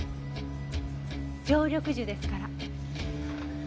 常緑樹ですから。